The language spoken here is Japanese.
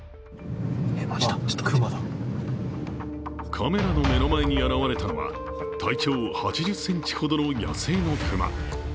カメラの目の前に現れたのは体長８０ｃｍほどの野生の熊。